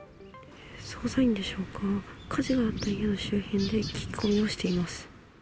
捜査員でしょうか、火事のあった家の周辺で聞き込みをしています。